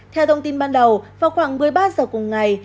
theo thông tin ban đầu vào khoảng một mươi ba giờ cùng ngày